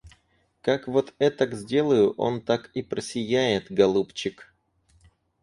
Как вот этак сделаю, он так и просияет, голубчик.